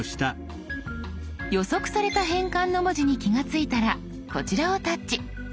予測された変換の文字に気が付いたらこちらをタッチ。